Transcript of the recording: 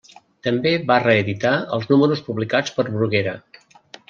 També va reeditar els números publicats per Bruguera.